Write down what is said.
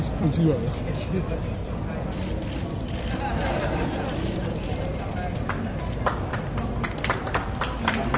สวัสดีครับ